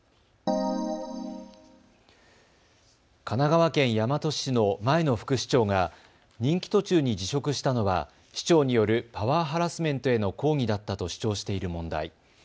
神奈川県大和市の前の副市長が任期途中に辞職したのは市長によるパワーハラスメントへの抗議だったと主張している問題。